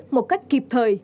một cách kịp thời